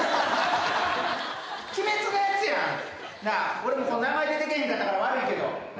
俺も名前出てけえへんかったから悪いけど。